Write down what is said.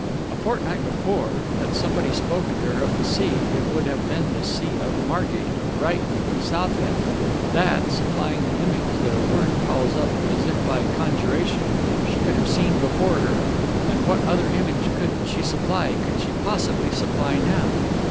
A fortnight before, had somebody spoken to her of the sea it would have been the sea of Margate, of Brighton, of Southend, that, supplying the image that a word calls up as if by conjuration, she would have seen before her; and what other image could she supply, could she possibly supply, now?...